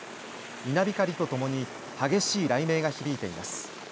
稲光とともに激しい雷鳴が響いています。